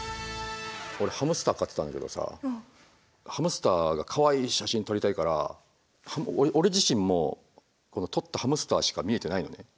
俺ハムスター飼ってたんだけどさハムスターがかわいい写真撮りたいから俺自身も撮ったハムスターしか見えてないのね。